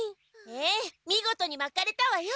ええ見事にまかれたわよ。